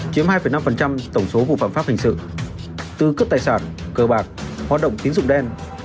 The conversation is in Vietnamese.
chiếm hai năm tổng số vụ phạm pháp hình sự tư cướp tài sản cơ bạc hoạt động tiến dụng đen